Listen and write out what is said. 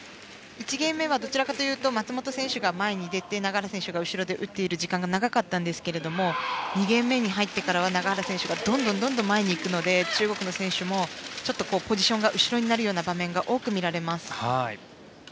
１ゲーム目はどちらかというと松本選手が前に出て永原選手が後ろで打っている時間が長かったんですが２ゲーム目に入ってからは永原選手がどんどん前に行くので中国の選手もちょっとポジションが後ろになる場面が多く見られます。